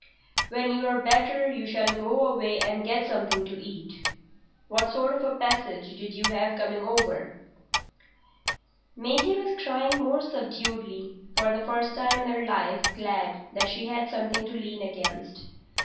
When you're better you shall go away and get something to eat. What sort of a passage did you have coming over?" Maisie was crying more subduedly, for the first time in her life glad that she had something to lean against.